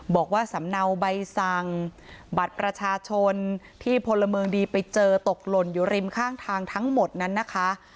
บอกว่าสำเนาใบสั่งบัตรประชาชนที่พลเมืองดีไปเจอตกหล่นอยู่ริมข้างทางทั้งหมดนั้นนะคะ